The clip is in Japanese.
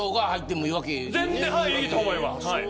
いいと思います。